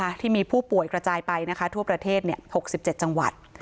ที่มีผู้ป่วยกระจายไปนะคะทั่วประเทศ๖๗จังหวัด